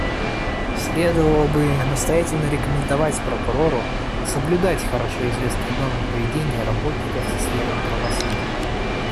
Следовало бы настоятельно рекомендовать Прокурору соблюдать хорошо известные нормы поведения работников сферы правосудия.